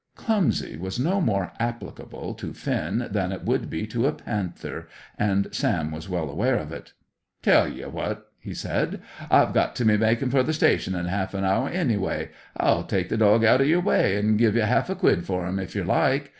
"Clumsy" was no more applicable to Finn than it would be to a panther, and Sam was well aware of it. "Tell you what," he said, "I've got to be makin' for the station in half an hour, anyway. I'll take the dog out o' yer way, an' give you half a quid for him, if yer like.